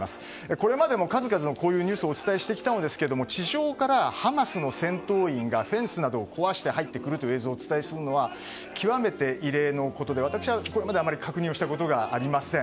これまでも数々のこういうニュースをお伝えしてきたんですが地上からハマスの戦闘員がフェンスなどを壊して入ってくるという映像をお伝えするのは極めて異例のことで私はこれまであまり確認したことはありません。